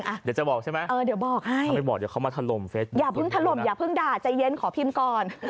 เดี๋ยวจะบอกใช่ไหมเดี๋ยวบอกให้อย่าเพิ่งทะลมอย่าเพิ่งด่าใจเย็นขอพิมพ์ก่อน